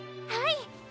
はい！